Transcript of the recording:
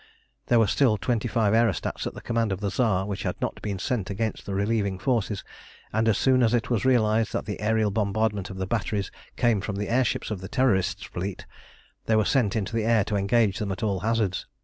There were still twenty five aerostats at the command of the Tsar which had not been sent against the relieving forces, and as soon as it was realised that the aërial bombardment of the batteries came from the air ships of the Terrorist fleet, they were sent into the air to engage them at all hazards.